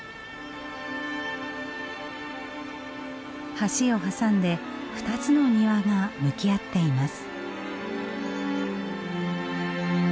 橋を挟んで２つの庭が向き合っています。